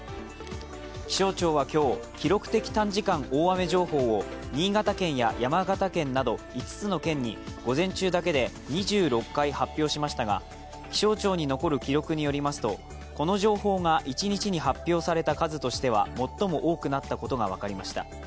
気象庁は今日、記録的短時間大雨情報を新潟県や山形県など５つの県に午前中だけで２６回発表しましたが気象庁に残る記録によりますとこの情報が一日に発表された数としては最も多くなったことが分かりました。